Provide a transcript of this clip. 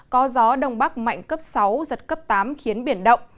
có gió đông bắc mạnh cấp sáu giật cấp tám khiến biển động